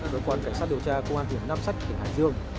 cơ quan cảnh sát điều tra công an huyện nam sách tỉnh hải dương